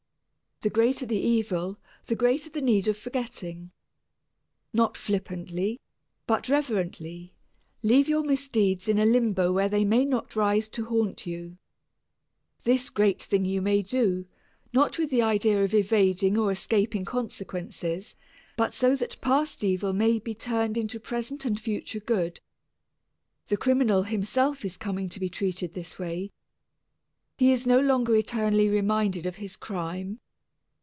The greater the evil, the greater the need of forgetting. Not flippantly, but reverently, leave your misdeeds in a limbo where they may not rise to haunt you. This great thing you may do, not with the idea of evading or escaping consequences, but so that past evil may be turned into present and future good. The criminal himself is coming to be treated this way. He is no longer eternally reminded of his crime.